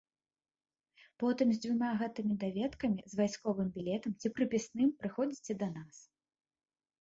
Потым з дзвюма гэтымі даведкамі, з вайсковым білетам ці прыпісным прыходзіце да нас.